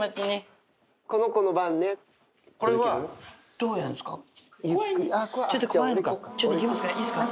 どうやるんですか？